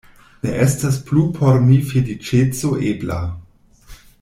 Ne estas plu por mi feliĉeco ebla.